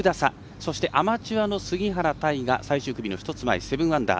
そして、アマチュアの杉原大河が最終組の１つ前、７アンダー。